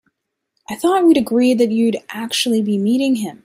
I thought we'd agreed that you wouldn't actually be meeting him?